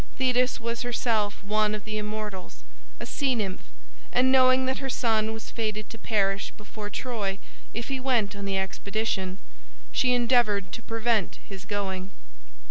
Thetis was herself one of the immortals, a sea nymph, and knowing that her son was fated to perish before Troy if he went on the expedition, she endeavored to prevent his going.